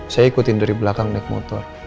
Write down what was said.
saya ikutin dari belakang naik motor